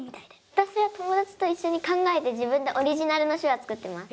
私は友達と一緒に考えて自分でオリジナルの手話作ってます。